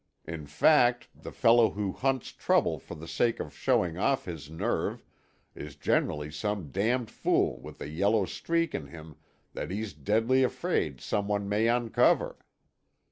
In fact, the fellow who hunts trouble for the sake of showing off his nerve, is generally some damned fool with a yellow streak in him that he's deadly afraid some one may uncover.